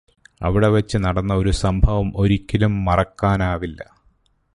അവിടെവച്ച് നടന്ന ഒരു സംഭവം ഒരിക്കലും മറക്കാനാവില്ല.